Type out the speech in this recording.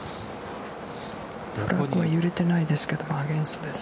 揺れてないですけどアゲンストです。